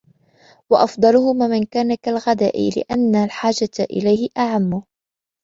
وَأَفْضَلُهُمَا مَنْ كَانَ كَالْغِذَاءِ ؛ لِأَنَّ الْحَاجَةَ إلَيْهِ أَعَمُّ